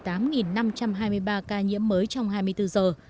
tăng thêm một mươi tám năm trăm hai mươi ba ca nhiễm mới trong hai mươi bốn giờ